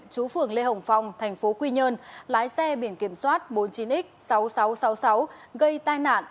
chú phường lê hồng phong thành phố quy nhơn lái xe biển kiểm soát bốn mươi chín x sáu nghìn sáu trăm sáu mươi sáu gây tai nạn